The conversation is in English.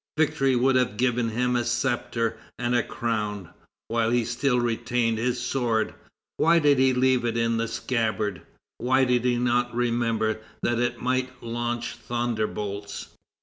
Victory would have given him a sceptre and a crown. While he still retained his sword, why did he leave it in the scabbard? Why did he not remember that it might launch thunderbolts?